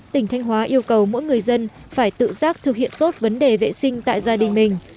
tỉnh thanh hóa yêu cầu mỗi người dân phải tự giác thực hiện tốt vấn đề vệ sinh tại gia đình mình